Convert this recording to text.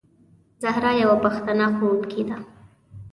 زهرا یوه پښتنه ښوونکې ده.